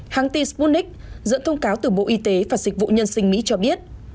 hàng ti sputnik dẫn thông cáo từ bộ y tế và dịch vụ nhân sinh mỹ cho biết